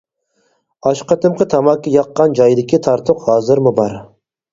ئاشۇ قېتىمقى تاماكا ياققان جايدىكى تارتۇق ھازىرمۇ بار.